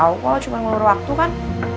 gue tau kalau cuma ngeluruh waktu kan